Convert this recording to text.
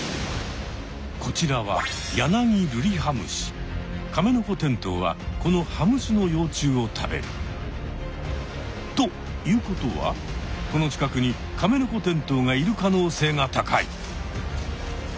こちらはカメノコテントウはこのハムシの幼虫を食べる。ということはこの近くにカメノコテントウがいる可能性が高い！